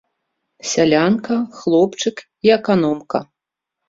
Сялянка, хлопчык і аканомка.